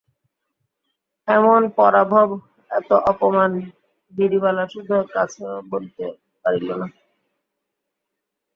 এমন পরাভব, এত অপমান গিরিবালা সুধোর কাছেও বলিতে পারিল না।